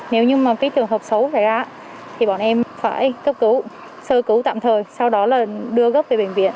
nếu như trường hợp xấu thì bọn em phải cấp cứu sơ cứu tạm thời sau đó đưa gấp về bệnh viện